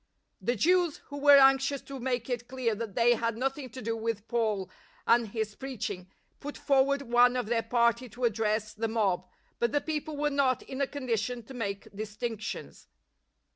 The Jews, who were anxious to make it clear that they had nothing to do with Paul and his preaching, put forward one of their party to address the " STRENGTH IN INFIRMITY " 87 mob, but the people were not in a condition to make distinctions.